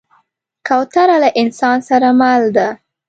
کوتره له انسان سره مل ده.